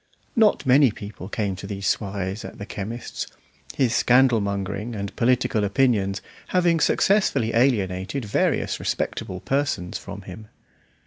Not many people came to these soirees at the chemist's, his scandal mongering and political opinions having successfully alienated various respectable persons from him.